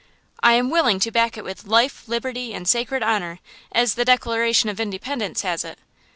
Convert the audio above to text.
"I am willing to back it with 'life, liberty and sacred honor,' as the Declaration of Independence has it.